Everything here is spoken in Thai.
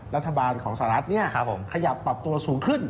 รัฐบาลของสหรัฐขยับปรับตัวสูงขึ้น